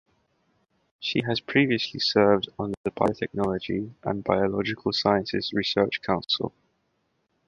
She has previously served on the Biotechnology and Biological Sciences Research Council.